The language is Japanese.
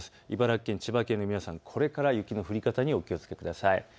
茨城県、千葉県の皆さん、これから雪の降り方にお気をつけください。